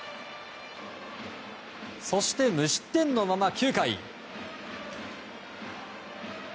そして無失点のまま、９回。